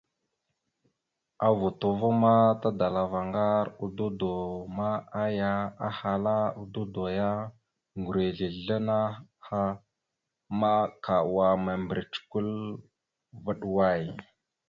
A vuto va, tadalavara ŋgar a dudo ma, aya ahala a dudo ya: Ŋgureslesla naha ma, ka wa ana mèmbirec kwal vaɗ way?